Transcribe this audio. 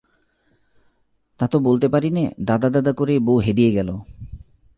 তা তো বলতে পারি নে, দাদা দাদা করেই বউ হেদিয়ে গেল।